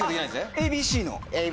ＡＢＣの。